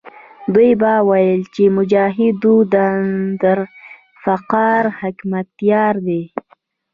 دوی به ویل چې مجاهدونو د ذوالفقار حکمتیار دی.